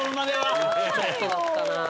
あとちょっとだったな。